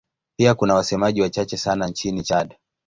Pia kuna wasemaji wachache sana nchini Chad.